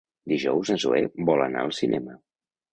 Dijous na Zoè vol anar al cinema.